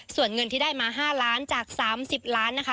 ส่วนเงินที่ได้มา๕ล้านจาก๓๐ล้านนะคะ